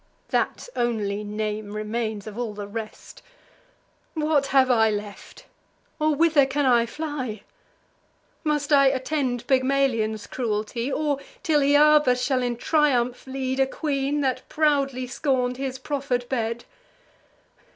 (That only name remains of all the rest!) What have I left? or whither can I fly? Must I attend Pygmalion's cruelty, Or till Hyarba shall in triumph lead A queen that proudly scorn'd his proffer'd bed?